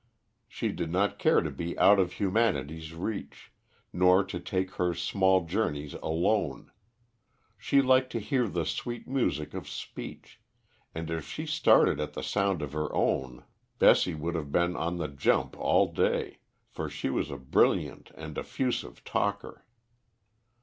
She did not care to be out of humanity's reach, nor to take her small journeys alone; she liked to hear the sweet music of speech, and if she started at the sound of her own, Bessie would have been on the jump all day, for she was a brilliant and effusive talker.